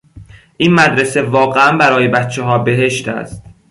این مدرسه واقعا برای بچهها بهشت است.